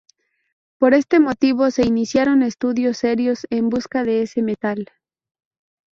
Por este motivo se iniciaron estudios serios en busca de ese metal.